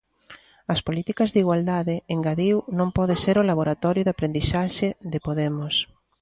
As políticas de igualdade, engadiu non poden ser o laboratorio de aprendizaxe de Podemos.